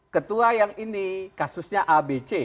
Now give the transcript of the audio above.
ketua yang ini kasusnya abc